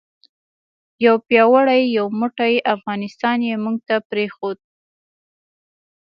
یو پیاوړی یو موټی افغانستان یې موږ ته پرېښود.